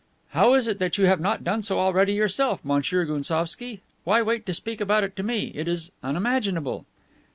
"How is it that you have not done so already, yourself, Monsieur Gounsovski? Why wait to speak about it to me? It is unimaginable."